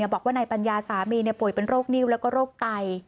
บอกว่านายปัญญาสามีป่วยเป็นโรคนิ้วแล้วก็โรคไต